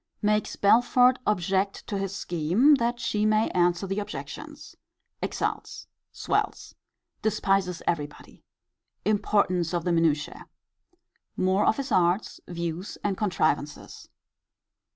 Makes Belford object to his scheme, that he may answer the objections. Exults. Swells. Despises every body. Importance of the minutiae. More of his arts, views, and contrivances.